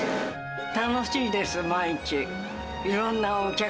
楽しいです、毎日。